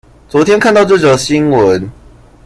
昨天看到這則新聞